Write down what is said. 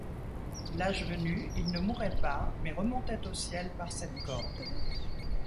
L'âge venu, ils ne mouraient pas mais remontaient au ciel par cette corde.